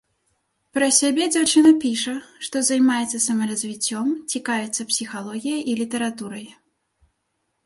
Пра сябе дзяўчына піша, што займаецца самаразвіццём, цікавіцца псіхалогіяй і літаратурай.